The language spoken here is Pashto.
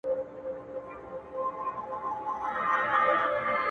د نېکۍ او د احسان خبري ښې دي؛